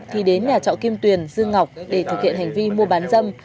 thì đến nhà trọ kim tuyền dương ngọc để thực hiện hành vi mua bán dâm